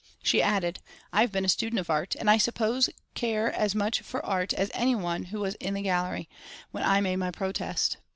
She added: "I have been a student of art, and I suppose care as much for art as any one who was in the gallery when I made my protest.